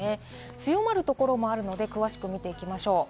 強まるところもあるので、詳しく見ていきましょう。